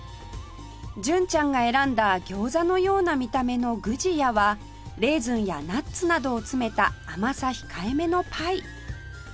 純ちゃんが選んだ餃子のような見た目のグジヤはレーズンやナッツなどを詰めた甘さ控えめのパイ